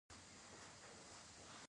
د پښو درد لپاره د سرسونو تېل وکاروئ